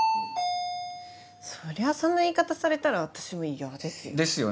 そりゃそんな言い方されたら私も嫌ですよ。